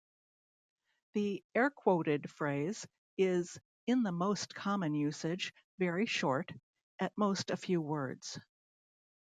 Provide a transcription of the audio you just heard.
The air-quoted phrase is-in the most common usage-very short, at most a few words.